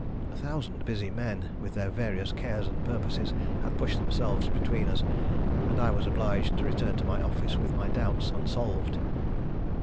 A thousand busy men, with their various cares and purposes, had pushed themselves between us, and I was obliged to return to my office with my doubts unsolved.